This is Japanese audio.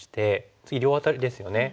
次両アタリですよね。